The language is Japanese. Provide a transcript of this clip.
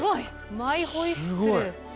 マイホイッスル。